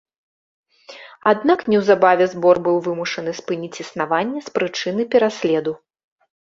Аднак неўзабаве збор быў вымушаны спыніць існаванне з прычыны пераследу.